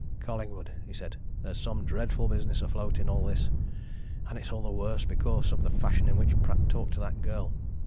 "Collingwood!" he said. "There's some dreadful business afloat in all this! And it's all the worse because of the fashion in which Pratt talked to that girl.